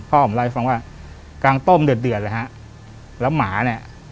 พ่อผมเล่าให้ฟังว่ากลางต้มเดือดเดือดเลยฮะแล้วหมาเนี่ย